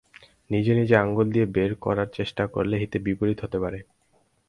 নিজে নিজে আঙুল দিয়ে বের করার চেষ্টা করলে হিতে বিপরীত হতে পারে।